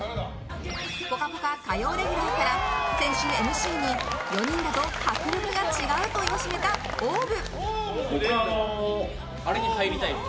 「ぽかぽか」火曜レギュラーから先週、ＭＣに４人だと迫力が違うと言わしめたＯＷＶ。